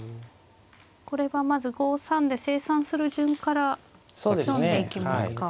これはまず５三で清算する順から読んでいきますか。